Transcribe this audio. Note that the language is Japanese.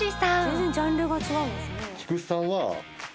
全然ジャンルが違うんですね。